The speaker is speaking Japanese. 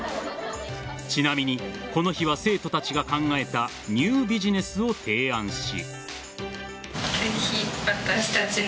ちなみに、この日は生徒たちが考えたニュービジネスを提案し。